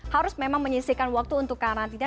harus memang menyisikan waktu untuk karantina